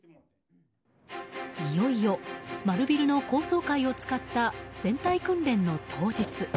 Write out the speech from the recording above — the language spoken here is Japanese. いよいよマルビルの高層階を使った全体訓練の当日。